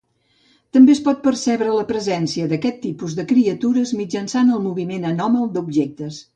També es pot percebre la presència d’aquest tipus de criatures mitjançant el moviment anòmal d’objectes.